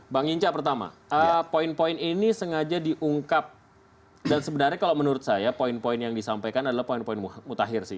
bang hinca pertama poin poin ini sengaja diungkap dan sebenarnya kalau menurut saya poin poin yang disampaikan adalah poin poin mutakhir sih